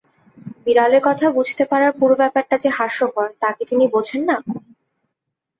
বিড়ালের কথা বুঝতে পারার পুরো ব্যাপারটা যে হাস্যকর তা কি তিনি বোঝেন না?